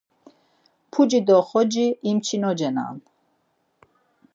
Puci do xoci imçinoceran.